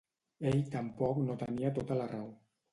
Ell tampoc no tenia tota la raó.